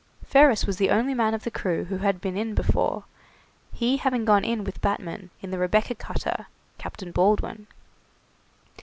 Ferris was the only man of the crew who had been in before, he having gone in with Batman, in the 'Rebecca' cutter, Captain Baldwin.